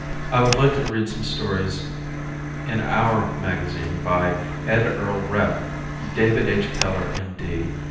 I would like to read some stories in "our" magazine by Ed Earl Repp, David H. Keller, M. D.